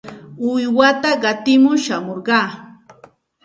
Uywata qatimur shamurqaa.